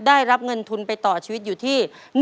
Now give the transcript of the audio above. ได้รับเงินทุนไปต่อชีวิตอยู่ที่